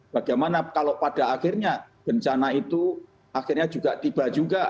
bagaimana kalau pada akhirnya bencana itu akhirnya juga tiba juga